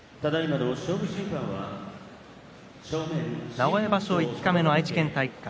名古屋場所五日目の愛知県体育館。